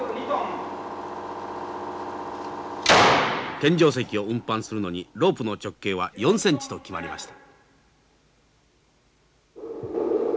天井石を運搬するのにロープの直径は４センチと決まりました。